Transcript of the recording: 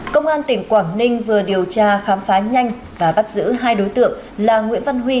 công an tỉnh quảng ninh vừa điều tra khám phá nhanh và bắt giữ hai đối tượng là nguyễn văn huy